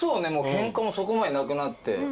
ケンカもそこまでなくなって。